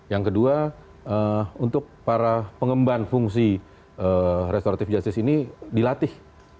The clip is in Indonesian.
yang kedua untuk para pengemban fungsi restoratif justice ini dilatih